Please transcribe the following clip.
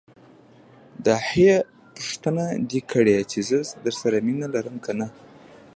داح پوښتنه دې کړې چې زه درسره مينه لرم که نه.